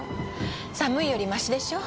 寒いよりましでしょ？